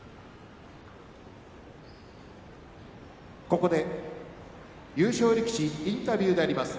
ここで優勝力士インタビューであります。